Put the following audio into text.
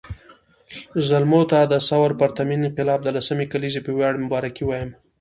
زلمو ته د ثور پرتمین انقلاب د لسمې کلېزې په وياړ مبارکي وایم